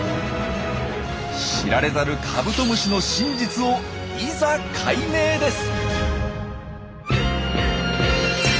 知られざるカブトムシの真実をいざ解明です！